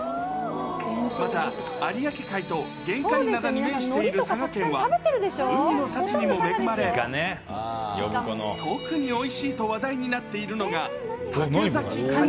また、有明海と玄界灘に面している佐賀県は、海の幸にも恵まれ、特においしいと話題になっているのが、竹崎カニ。